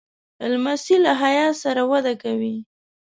لمسی له حیا سره وده کوي.